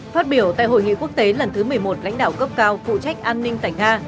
phát biểu tại hội nghị quốc tế lần thứ một mươi một lãnh đạo cấp cao phụ trách an ninh tại nga